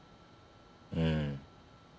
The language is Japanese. うん。